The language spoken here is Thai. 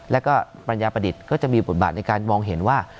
แล้วก็ปัญญาประดิษฐ์ก็จะมีบทบาทในการมองเห็นว่า